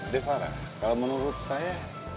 devara kalo menurut saya